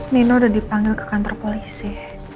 nino udah dipanggil ke kantor polisi